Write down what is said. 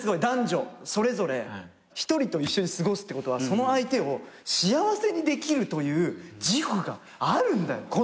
男女それぞれ一人と一緒に過ごすってことはその相手を幸せにできるという自負があるんだよ。